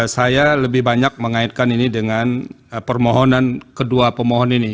saya lebih banyak mengaitkan ini dengan permohonan kedua pemohon ini